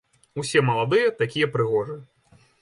Усе маладыя, такія прыгожыя.